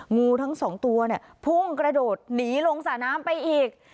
งูทั้ง๒ตัวพุ่งกระโดดหนีลงสระน้ำไปอีก